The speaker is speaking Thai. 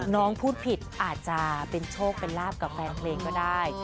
น้องพูดผิดอาจจะเป็นโชคเป็นลาบกับแฟนเพลงก็ได้